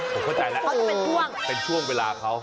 ผมเข้าใจแล้วเป็นช่วงเวลาเขาโอ้โฮ